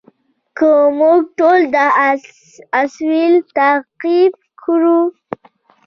که موږ ټول دا اصول تعقیب کړو.